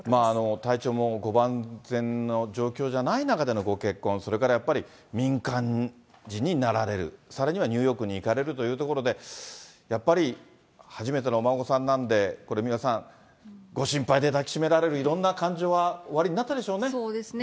体調もご万全の状況じゃない中でのご結婚、それからやっぱり民間人になられる、さらにはニューヨークに行かれるということで、やっぱり初めてのお孫さんなんで、これ、三輪さん、ご心配で抱き締められる、いろんな感情はおありになったでしょうそうですね。